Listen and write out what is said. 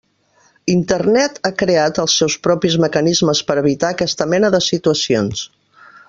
Internet ha creat els seus propis mecanismes per evitar aquesta mena de situacions.